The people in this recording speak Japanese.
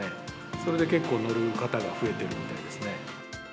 それで結構乗る方が増えてるみたいですね。